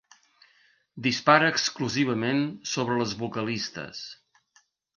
Dispara exclusivament sobre les vocalistes.